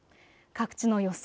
各地の予想